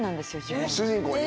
主人公に？